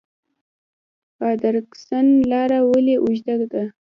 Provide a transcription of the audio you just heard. ادرسکن لاره ولې اوږده ده؟